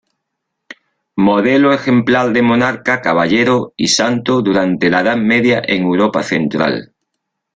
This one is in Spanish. Modelo ejemplar de monarca, caballero y santo durante la Edad Media en Europa central.